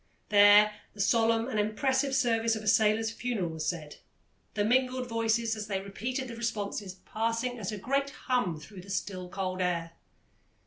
There the solemn and impressive service of a sailor's funeral was said, the mingled voices as they repeated the responses passing as a great hum through the still, cold air.